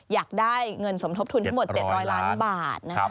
อยากได้เงินสมทบทุนทั้งหมด๗๐๐ล้านบาทนะครับ